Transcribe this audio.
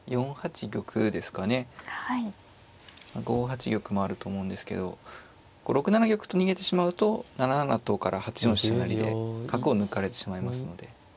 ５八玉もあると思うんですけど６七玉と逃げてしまうと７七とから８四飛車成で角を抜かれてしまいますので。